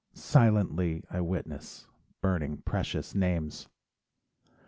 . Silently I witness Burning precious names.